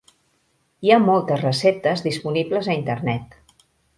Hi ha moltes receptes disponibles a Internet.